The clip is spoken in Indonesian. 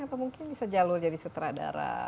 atau mungkin bisa jalur jadi sutradara